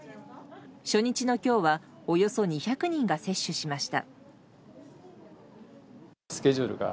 初日の今日はおよそ２００人が接種しました。